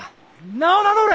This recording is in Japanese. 名を名乗れ！